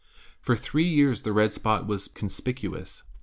For three years the red spot was conspicuous.